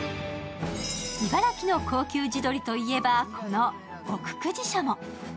茨城の高級地鶏といえば、この奥久慈しゃも。